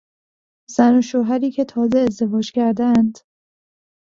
زن و شوهری که تازه ازدواج کردهاند